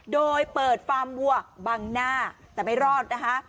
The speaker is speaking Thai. โดยเปิดฟาร์มวัวบังหน้าแต่ไม่รอดนะคะ